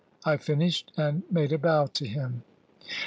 I finished, and made a bow to him.